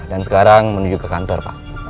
dan sekarang menuju ke kantor pak